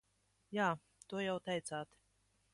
Jā, to jau teicāt.